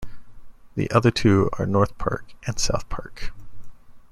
The other two are North Park and South Park.